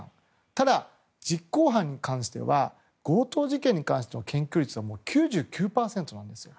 ただ、実行犯に関しては強盗事件に関しての検挙率は９９％なんですよ。